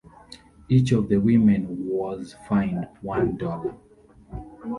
Each of the women was fined one dollar.